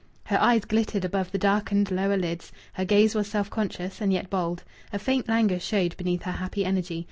Her eyes glittered above the darkened lower lids; her gaze was self conscious and yet bold; a faint languor showed beneath her happy energy.